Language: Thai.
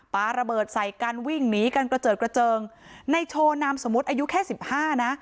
ปลาระเบิดใส่กันวิ่งหนีกันกระเจิดกระเจิงในโชว์นามสมมุติอายุแค่สิบห้านะ